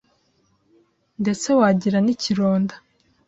ndetse wagira n’ikironda